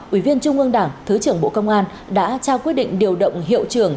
ủy viên trung ương đảng thứ trưởng bộ công an đã trao quyết định điều động hiệu trưởng